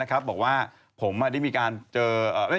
พาพักพวกไปกินกันเลยได้ไว